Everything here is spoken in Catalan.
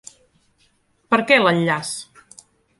Per què l'enllaç?